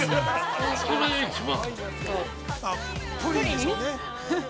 それが一番。